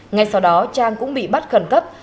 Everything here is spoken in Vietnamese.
ngay sau đó trang cũng bị bắt khẩn cấp